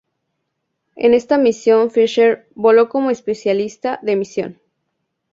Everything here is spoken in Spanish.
En esta misión Fisher voló como especialista de misión.